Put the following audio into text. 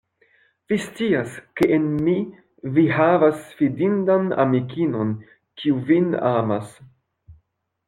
Vi scias, ke en mi vi havas fidindan amikinon, kiu vin amas.